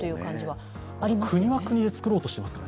今、国は国でつくろうとしていますから。